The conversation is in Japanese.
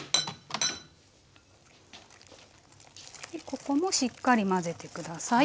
ここもしっかり混ぜて下さい。